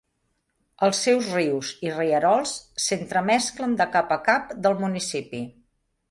Els seus rius i rierols s'entremesclen de cap a cap del municipi.